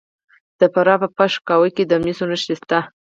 د فراه په پشت کوه کې د مسو نښې شته.